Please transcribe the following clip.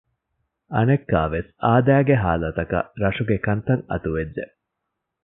އަނެއްކާވެސް އާދައިގެ ހާލަތަކަށް ރަށުގެ ކަންތައް އަތުވެއްޖެ